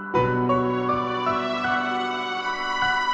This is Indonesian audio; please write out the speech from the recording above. bisa lah pak